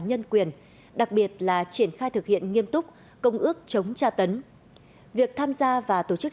nhân quyền đặc biệt là triển khai thực hiện nghiêm túc công ước chống tra tấn việc tham gia và tổ chức